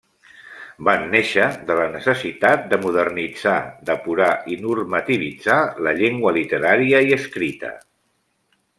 Van néixer de la necessitat de modernitzar, depurar i normativitzar la llengua literària i escrita.